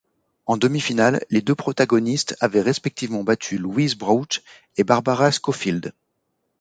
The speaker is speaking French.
En demi-finale, les deux protagonistes avaient respectivement battu Louise Brough et Barbara Scofield.